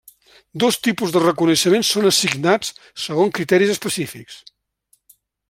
Dos tipus de reconeixements són assignats, segons criteris específics.